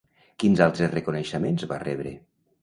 Quins altres reconeixements va rebre?